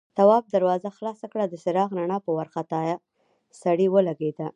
تواب دروازه خلاصه کړه، د څراغ رڼا په وارخطا سړي ولګېده.